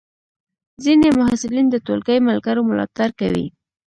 ځینې محصلین د ټولګی ملګرو ملاتړ کوي.